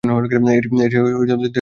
এটি দেশটির চতুর্থ মহানগর।